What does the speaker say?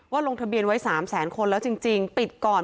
ลงทะเบียนไว้๓แสนคนแล้วจริงปิดก่อน